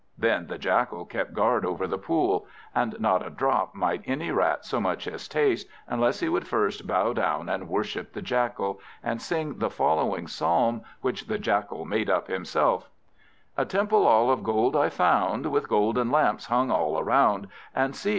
Then the Jackal kept guard over the pool; and not a drop might any Rat so much as taste, unless he would first bow down and worship the Jackal, and sing the following psalm, which the Jackal made up himself: "A temple all of gold I found, With golden lamps hung all around; And see!